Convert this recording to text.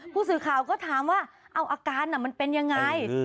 ผู้สื่อข่าวก็ถามว่าเอาอาการมันเป็นยังไง